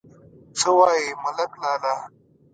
_څه وايې، ملک لالا!